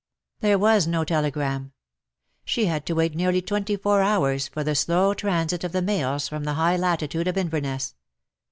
There was no telegram. She had to wait nearly twenty four hours for the slow transit of the mails from the high latitude of Inverness.